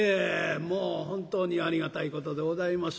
もう本当にありがたいことでございます。